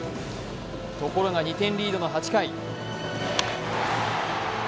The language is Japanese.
ところが２点リードの８回。